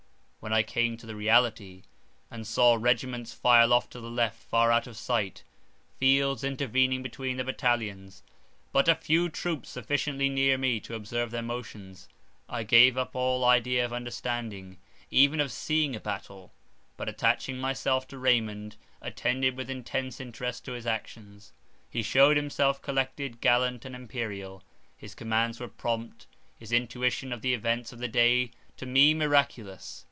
When I came to the reality, and saw regiments file off to the left far out of sight, fields intervening between the battalions, but a few troops sufficiently near me to observe their motions, I gave up all idea of understanding, even of seeing a battle, but attaching myself to Raymond attended with intense interest to his actions. He shewed himself collected, gallant and imperial; his commands were prompt, his intuition of the events of the day to me miraculous.